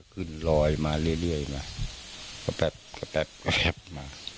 ขึ้นลอยมาเรื่อยมากระแป๊บมา